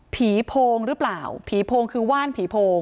โพงหรือเปล่าผีโพงคือว่านผีโพง